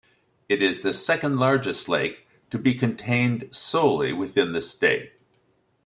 It is the second largest lake to be contained solely within the state.